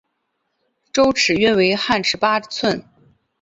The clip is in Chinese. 周尺约为汉尺八寸。